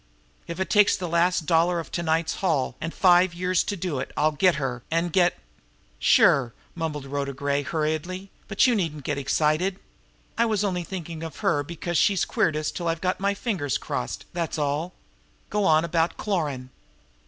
If it takes the last dollar of to night's haul, and five years to do it, I'll get her, and get " "Sure!" mumbled Rhoda Gray hurriedly. "But you needn't get excited! I was only thinking of her because she's queered us till I've got my fingers crossed, that's all. Go on about Cloran."